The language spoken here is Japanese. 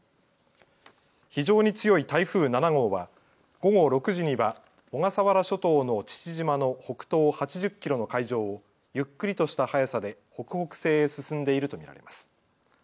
非常に強い台風７号は午後６時には小笠原諸島の父島の北東８０キロの海上をゆっくりとした速さで北北西へ進んでいると見られます。